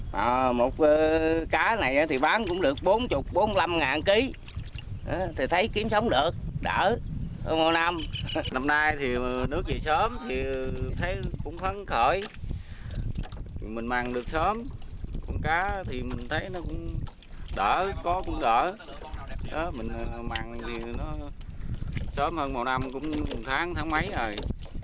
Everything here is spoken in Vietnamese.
năm nay thì nước về sớm thì thấy cũng phấn khởi mình mang được sớm con cá thì mình thấy nó cũng đỡ có cũng đỡ mình mang thì nó sớm hơn một năm cũng tháng tháng mấy rồi